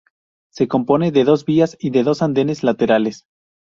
Se compone de dos vías y de dos andenes laterales.